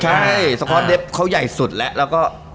ใช่สกอตเด็นโซคเขาใหญ่สุดแล้ว